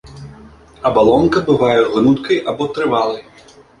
Абалонка бывае гнуткай або трывалай.